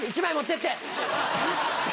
１枚持ってって！